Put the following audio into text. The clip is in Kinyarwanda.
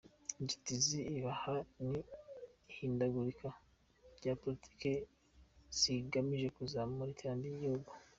Inzitizi ihaba ni ni ihindagurika rya politiki zigamije kuzamura iterambere ry’igihugu.